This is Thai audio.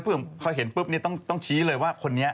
พอเห็นปุ๊บต้องชี้เลยว่าคนนี้